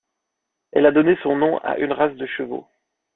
Elle a donné son nom à une race de chevaux.